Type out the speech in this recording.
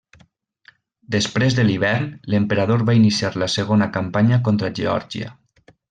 Després de l'hivern l'emperador va iniciar la segona campanya contra Geòrgia.